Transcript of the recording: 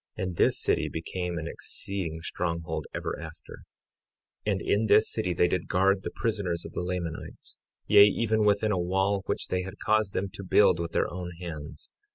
53:5 And this city became an exceeding stronghold ever after; and in this city they did guard the prisoners of the Lamanites; yea, even within a wall which they had caused them to build with their own hands.